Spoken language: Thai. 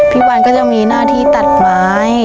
วันก็จะมีหน้าที่ตัดไม้